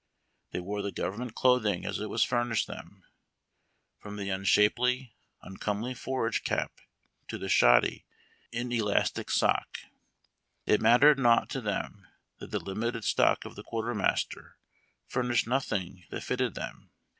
They wore the government clothing as it was furnished them, from the unshapely, un comely forage cap to the shoddy, inelastic sock. It mat tered naught to them that the limited stock of the quarter master furnished nothing that fitted tliem.